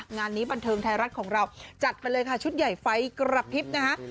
งานนี้บันเทิงไทยรัฐของเราจัดไปเลยค่ะชุดใหญ่ไฟกระพริบนะคะ